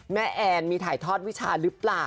แอนมีถ่ายทอดวิชาหรือเปล่า